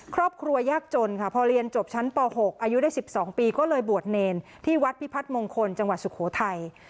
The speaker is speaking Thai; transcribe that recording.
ครอบครัวยากจนค่ะพอเรียนจบชั้นป๖อายุได้๑๒ปีก็เลยบวชเนรที่วัดพิพัฒน์มงคลจังหวัดสุโขทัย